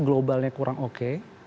globalnya kurang oke